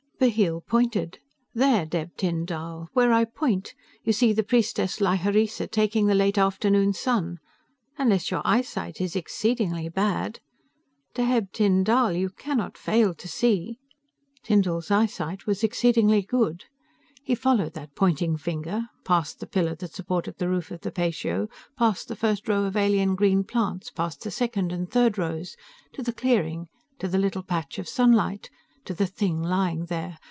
Bheel pointed. "There, Dheb Tyn Dall, where I point, you see the priestess Lhyreesa taking the late afternoon sun ... unless your eyesight is exceedingly bad, Dheb Tyn Dall, you cannot fail to see...." Tyndall's eyesight was exceedingly good. He followed that pointing finger, past the pillar that supported the roof of the patio, past the first row of alien green plants, past the second and third rows, to the clearing, to the little patch of sunlight, to the thing lying there.